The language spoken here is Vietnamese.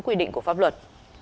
quy định của pháp luật